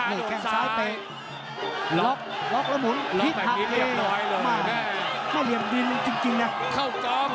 เลี่ยงแข่งซ้ายเตะล็อกแล้วหมุนพลิกผ่าเค้ว